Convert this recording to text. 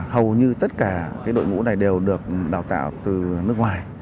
hầu như tất cả đội ngũ này đều được đào tạo từ nước ngoài